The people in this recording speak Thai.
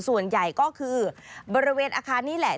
ส่วนใหญ่ก็คือบริเวณอาคารนี่แหละ